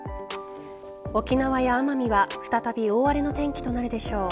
沖縄や奄美は再び大荒れの天気となるでしょう。